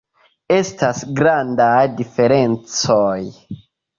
Estas grandaj diferencoj.